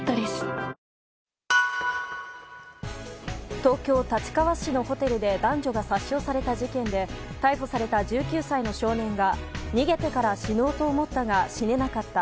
東京・立川市のホテルで男女が殺傷された事件で逮捕された１９歳の少年が逃げてから死のうと思ったが死ねなかった。